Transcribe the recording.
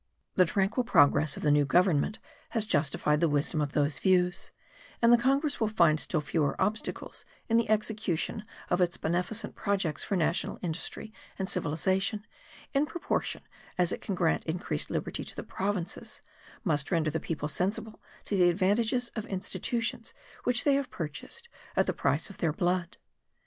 The tranquil progress of the new government has justified the wisdom of those views, and the Congress will find still fewer obstacles in the execution of its beneficent projects for national industry and civilization, in proportion as it can grant increased liberty to the provinces, must render the people sensible to the advantages of institutions which they have purchased at the price of their blood.